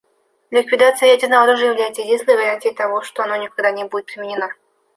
Ликвидация ядерного оружия является единственной гарантией того, что оно никогда не будет применено.